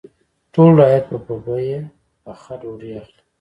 ټول رعیت به په بیه پخه ډوډۍ اخلي.